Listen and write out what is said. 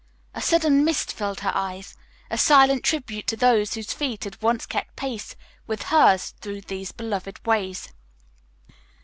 A sudden mist filled her eyes, a silent tribute to those whose feet had once kept pace with hers through these beloved ways.